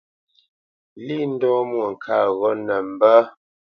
Lî ndɔ́ Mwôŋkát ghó nə mbə́.